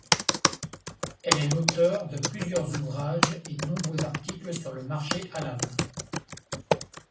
Elle est l'auteur de plusieurs ouvrages et nombreux articles sur le marché halal.